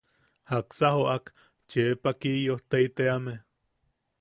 ¿Jaksa joʼak Chepa Kiyojtei teame?